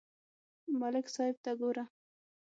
ملک صاحب ته گوره